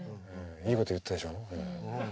いいこと言ったでしょう。